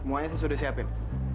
semuanya saya sudah siapin